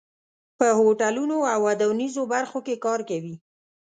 په هوټلونو او ودانیزو برخو کې کار کوي.